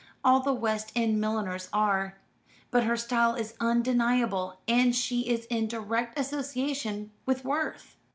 All the West End milliners are; but her style is undeniable, and she is in direct association with Worth."